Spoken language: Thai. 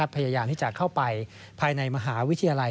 พยายามที่จะเข้าไปภายในมหาวิทยาลัย